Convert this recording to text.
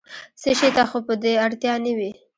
څه شي ته خو به دې اړتیا نه وي؟